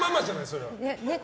それは。